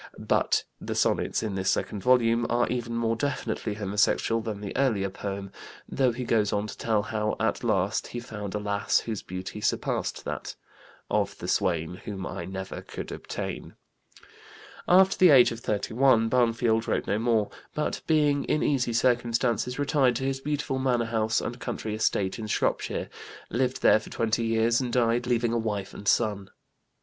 But the sonnets in this second volume are even more definitely homosexual than the earlier poem, though he goes on to tell how at last he found a lass whose beauty surpassed that "of the swain Whom I never could obtain." After the age of 31 Barnfield wrote no more, but, being in easy circumstances, retired to his beautiful manor house and country estate in Shropshire, lived there for twenty years and died leaving a wife and son.